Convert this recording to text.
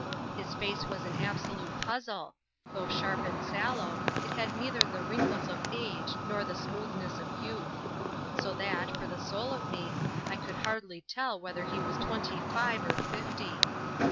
His face was an absolute puzzle ; though sharp and sallow, it had neither the wrinkles of age nor the smoothness of youth ; so that, for the soul of me, I could hardly tell whether he was twenty five or fififcy.